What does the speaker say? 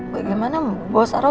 bagaimana mbak saroh